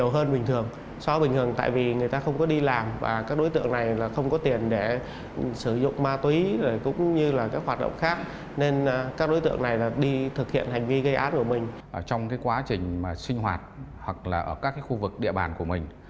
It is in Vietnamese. hoặc là ở các khu vực địa bàn của mình